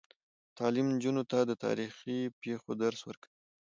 تعلیم نجونو ته د تاریخي پیښو درس ورکوي.